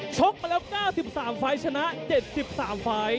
ชกมาแล้ว๙๓ไฟล์ชนะ๗๓ไฟล์